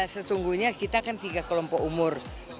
sesungguhnya kita kan tiga kelompok umur